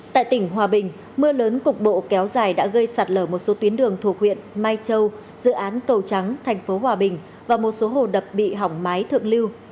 tại tỉnh hòa bình mưa lớn cục bộ kéo dài đã gây sạt lở một số tuyến đường thuộc huyện mai châu dự án cầu trắng thành phố hòa bình và một số hồ đập bị hỏng mái thượng lưu